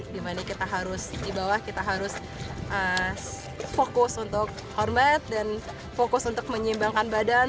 dimana kita harus di bawah kita harus fokus untuk hormat dan fokus untuk menyimbangkan badan